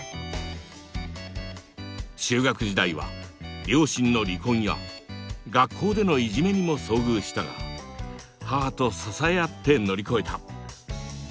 中学時代は両親の離婚や学校でのいじめにも遭遇したが母と支え合って乗り越えた。